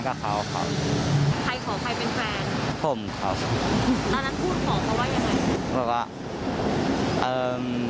ว่าเอิ่ม